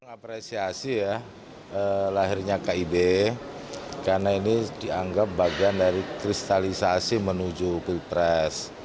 mengapresiasi ya lahirnya kib karena ini dianggap bagian dari kristalisasi menuju pilpres